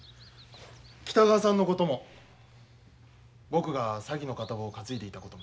北川さんのことも僕が詐欺の片棒を担いでいたことも。